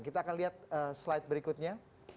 kita akan lihat slide berikutnya